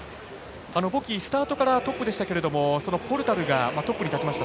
ボキ、スタートからトップでしたがポルタルがトップに立ちました。